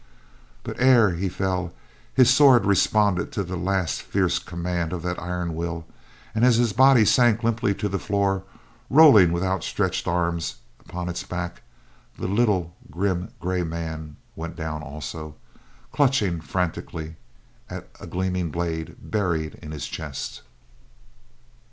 But ere he fell, his sword responded to the last fierce command of that iron will, and as his body sank limply to the floor, rolling with outstretched arms, upon its back, the little, grim, gray man went down also, clutching frantically at a gleaming blade buried in his chest.